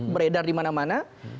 beredar di mana mana